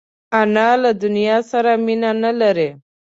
انا له دنیا سره مینه نه لري